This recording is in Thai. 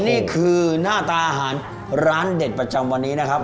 นี่คือหน้าตาอาหารร้านเด็ดประจำวันนี้นะครับ